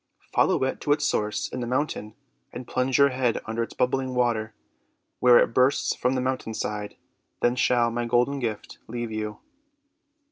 Follow it to its source in the mountain, and plunge your head under its bubbling water where it bursts from the mountain side. Then shall my golden gift leave you."